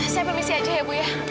saya permisi aja ya bu ya